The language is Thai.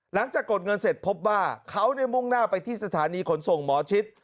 กดเงินเสร็จพบว่าเขามุ่งหน้าไปที่สถานีขนส่งหมอชิด